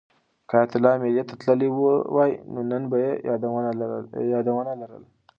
که حیات الله مېلې ته تللی وای نو نن به یې یادونه لرل.